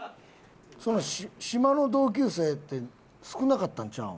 その島の同級生って少なかったんちゃうん？